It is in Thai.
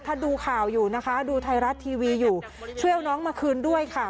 ถ้าดูข่าวอยู่นะคะดูไทยรัฐทีวีอยู่ช่วยเอาน้องมาคืนด้วยค่ะ